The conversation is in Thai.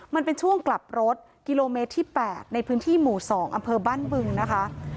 มันเป็นช่วงกลับรถกิโลเมตรที่๘ในพื้นที่หมู่๒อำเภอบ้านบึงนะคะ